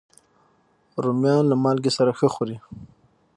رومیان له مالګې سره ښه خوري